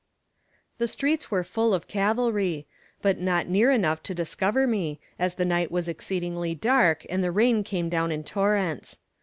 The streets were full of cavalry, but not near enough to discover me, as the night was exceedingly dark and the rain came down in torrents.